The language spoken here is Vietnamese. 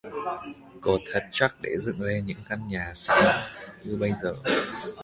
Cột thật chắc để dựng lên những căn nhà sản như bây giờ